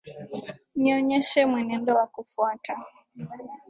Nionyeshe mwenendo wa kufuata.